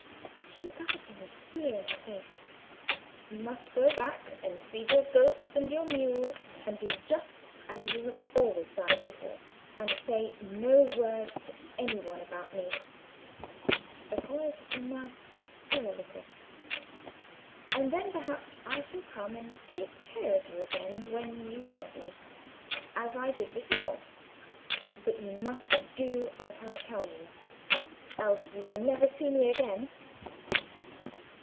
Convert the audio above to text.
She looked up at him with fear in her face. "You must go back and feed your goats and mules, and do just as you have always done before, and say no word to any one about me." The corners of her mouth fell a little. "And then, perhaps, I shall come and take care of you again when you want me, as I did before. But you must do just what I tell you, else you will not see me again."